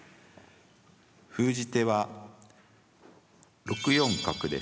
封じ手は６四角です。